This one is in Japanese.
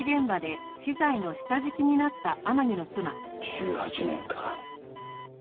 １８年か。